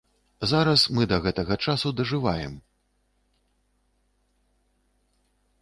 Зараз мы да гэтага часу дажываем.